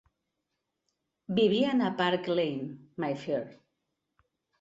Vivien a Park Lane, Mayfair.